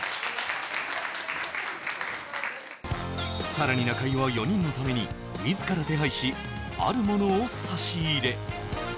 更に、中居は４人のために自らは手配し、あるものを差し入れ。